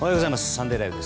「サンデーＬＩＶＥ！！」